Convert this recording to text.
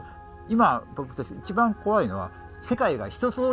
今僕たち一番怖いのは世界が一とおりしかないと。